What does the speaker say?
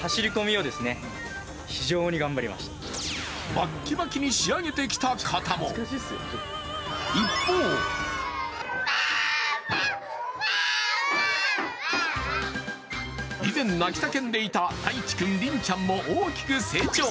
バッキバキに仕上げてきた方も一方以前、泣き叫んでいたたいちくん、りんちゃんも大きく成長。